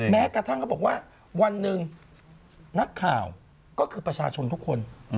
แม้กระทั่งเขาบอกว่าวันหนึ่งนักข่าวก็คือประชาชนทุกคน